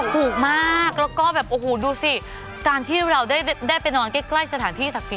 ถูกมากแล้วก็แบบโอ้โหดูสิการที่เราได้ไปนอนใกล้สถานที่ศักดิ์สิท